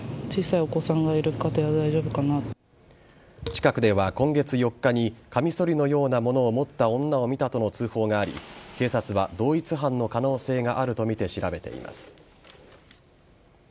近くでは今月４日にカミソリのようなものを持った女を見たとの通報があり警察は同一犯の可能性があるとみて調べています。